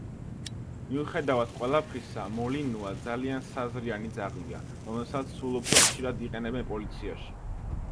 მიუხედავად ყველაფრისა, მოლინუა ძალიან საზრიანი ძაღლია, რომელსაც სულ უფრო ხშირად იყენებენ პოლიციაში.